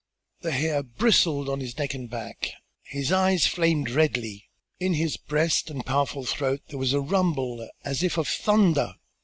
The hair bristled on his neck and back, his eyes flamed redly, in his breast and powerful throat there was a rumble as if of thunder.